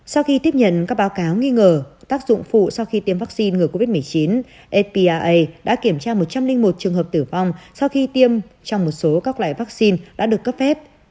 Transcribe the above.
sau khi tiếp nhận các báo cáo nghi ngờ tác dụng phụ sau khi tiêm vaccine ngừa covid một mươi chín epaa đã kiểm tra một trăm linh một trường hợp tử vong sau khi tiêm trong một số các loại vaccine đã được cấp phép